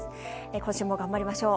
今週も頑張りましょう。